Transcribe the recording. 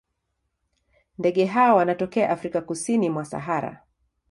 Ndege hawa wanatokea Afrika kusini mwa Sahara.